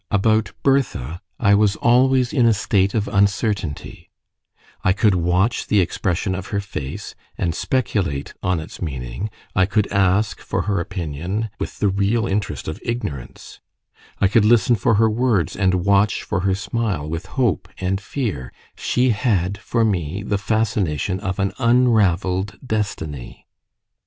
About Bertha I was always in a state of uncertainty: I could watch the expression of her face, and speculate on its meaning; I could ask for her opinion with the real interest of ignorance; I could listen for her words and watch for her smile with hope and fear: she had for me the fascination of an unravelled destiny.